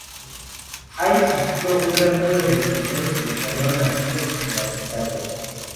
Ha existido un gran número de escritores en español nacidos en las Bisayas.